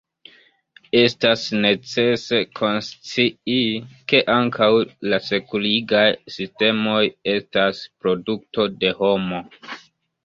Estas necese konscii, ke ankaŭ la sekurigaj sistemoj estas produkto de homo.